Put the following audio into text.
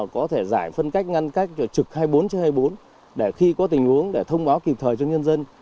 có thể giải phân cách ngăn cách trực hai mươi bốn hai mươi bốn để khi có tình huống để thông báo kịp thời cho nhân dân